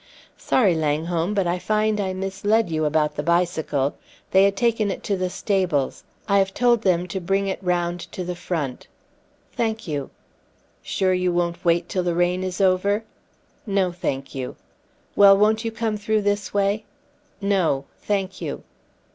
"Sorry, Langholm, but I find I misled you about the bicycle. They had taken it to the stables. I have told them to bring it round to the front." "Thank you." "Sure you won't wait till the rain is over?" "No, thank you." "Well, won't you come through this way?" "No, thank you."